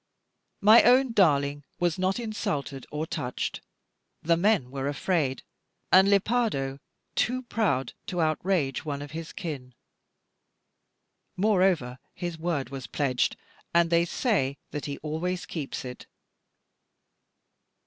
My own darling was not insulted or touched; the men were afraid, and Lepardo too proud to outrage one of his kin. Moreover, his word was pledged; and they say that he always keeps it.